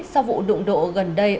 sau vụ đụng độ gần đây